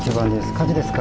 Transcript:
火事ですか？